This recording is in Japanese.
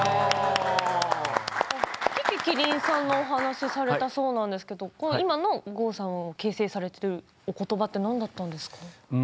樹木希林さんのお話をされたそうなんですけれど今の郷さんを形成されたということばって何だったんですか？